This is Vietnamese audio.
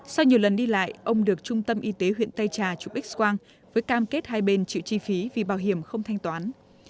sau nhiều lần đi lại ông được trung tâm y tế huyện tây trà chụp x quang với cam kết hai bên chịu chi phí vì bảo hiểm không thanh toán